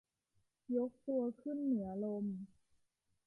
ยกตัวขึ้นเหนือลม